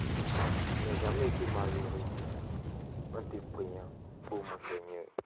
Je n'ai jamais été malheureux en te priant, ô mon Seigneur.